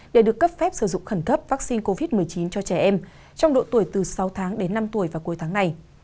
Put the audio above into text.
để được cấp phép sử dụng khẩn cấp vaccine covid một mươi chín cho trẻ em trong độ tuổi từ sáu tháng đến năm tuổi vào cuối tháng này